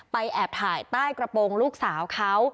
แอบถ่ายใต้กระโปรงลูกสาวเขา